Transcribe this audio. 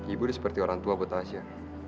ibu udah seperti orang tua buat tasya